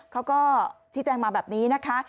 เขาก็ชี้แจงมาแบบนี้นะคะ